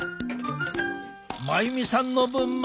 真由美さんの分まで！